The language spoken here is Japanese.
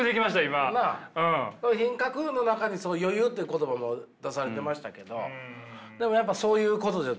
品格の中にそういう「余裕」という言葉も出されてましたけどでもやっぱそういうことだと。